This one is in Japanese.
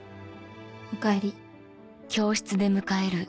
おかえり。